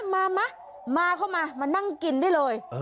มามาเข้ามามานั่งกินได้เลย